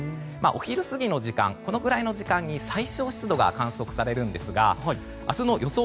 お昼過ぎの時間このくらいの時間に最小湿度が観測されるんですが明日の予想